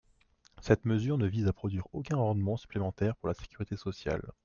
Cette mesure ne vise à produire aucun rendement supplémentaire pour la Sécurité sociale.